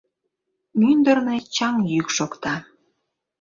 Мӱндырнӧ чаҥ йӱк шокта.